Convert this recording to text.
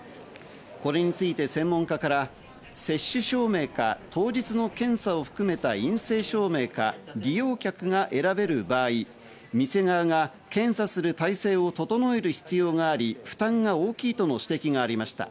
これについて専門家から接種証明か当日の検査を含めた陰性証明か利用客が選べる場合、店側が検査する体制を整える必要があり、負担が大きいとの指摘がありました。